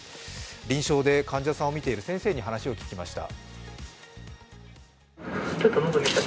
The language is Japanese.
臨床で患者さんを診ている先生に話を聞きました。